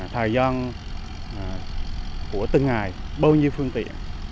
thời gian của từng ngày bao nhiêu phương tiện